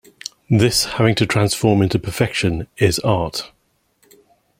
This having to transform into perfection is-art.